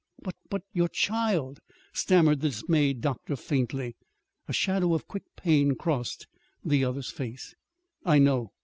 "But your your child," stammered the dismayed doctor faintly. A shadow of quick pain crossed the other's face. "I know.